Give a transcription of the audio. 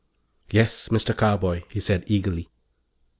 "Yes, Mr. Carboy," he said eagerly.